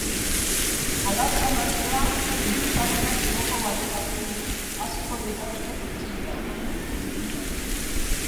Hala, esan bezala, diru-sarrerak igoko balira soilik, haziko lirateke pentsioak.